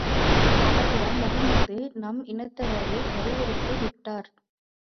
அவரிடம், முஹம்மது நம் இனத்தவரைக் கருவறுத்து விட்டார்.